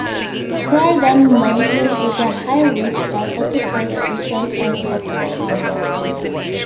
Croydon Mountain is a high ridge that occupies the eastern edge of the town.